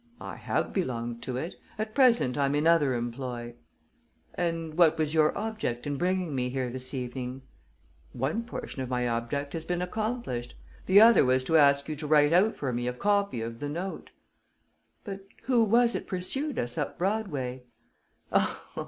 "I have belonged to it. At present, I'm in other employ." "And what was your object in bringing me here this evening?" "One portion of my object has been accomplished. The other was to ask you to write out for me a copy of the note." "But who was it pursued us up Broadway?"